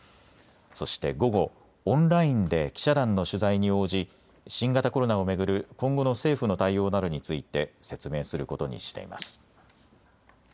そして午後、オンラインで記者団の取材に応じ新型コロナを巡る今後の政府の対応などについて説明することにしています。